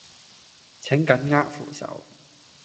請緊握扶手